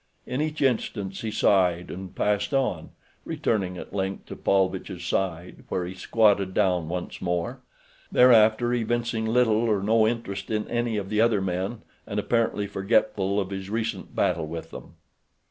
In each instance he sighed and passed on, returning at length to Paulvitch's side, where he squatted down once more; thereafter evincing little or no interest in any of the other men, and apparently forgetful of his recent battle with them.